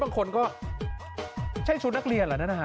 บางคนก็ใช้ชุดนักเรียนละนะฮะ